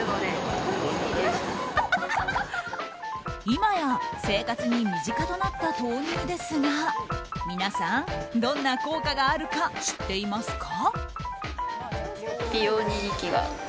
今や生活に身近となった豆乳ですが皆さん、どんな効果があるか知っていますか？